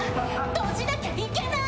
閉じなきゃいけない。